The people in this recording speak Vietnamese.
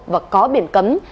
và có biển cấm